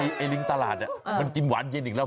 ไอ้ลิงตลาดมันกินหวานเย็นอีกแล้ว